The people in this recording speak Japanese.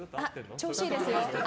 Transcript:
調子いいですよ。